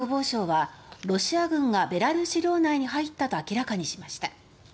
ベラルーシの国防省はロシア軍が、ベラルーシ領内に入ったと明らかにしました。